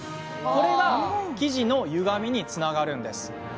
これが生地のゆがみにつながるんです。